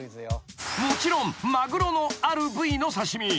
［もちろんマグロのある部位の刺し身］